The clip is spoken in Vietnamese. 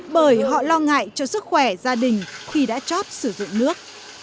bởi họ lo ngại cho sức khỏe gia đình khi đã chót sử dụng nước